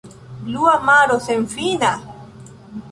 Blua maro senfina!